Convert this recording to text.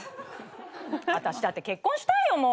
私だって結婚したいよ